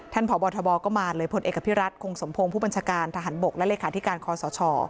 ท่านผอบทบก็มาเลยพลเอกพิรัติคงสมโพงผู้บัญชาการทหารบกและเลขาที่การคอสช